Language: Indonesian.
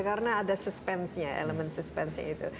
karena ada suspensinya elemen suspensinya itu